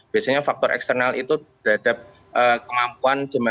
biasanya faktor eksternal itu terhadap kemampuan jemaah